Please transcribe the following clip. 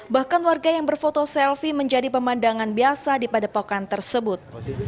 bahkan warga yang berfoto selfie menjadi pemandangan biasa di padepokan tersebut